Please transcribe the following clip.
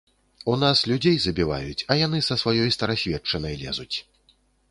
У нас людзей забіваюць, а яны са сваёй старасветчынай лезуць.